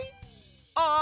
ああ！